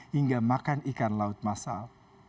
hingga makan ikan laut masal